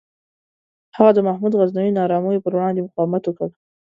هغه د محمود غزنوي نارامیو پر وړاندې مقاومت وکړ.